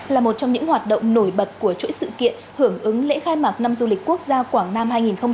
là một trong những hoạt động nổi bật của chuỗi sự kiện hưởng ứng lễ khai mạc năm du lịch quốc gia quảng nam hai nghìn hai mươi bốn